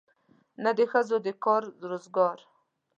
نه د ښځو د کار روزګار.